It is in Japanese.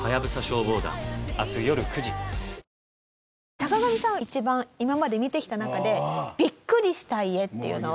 坂上さん一番今まで見てきた中でビックリした家っていうのは？